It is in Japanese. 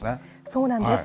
そうなんです。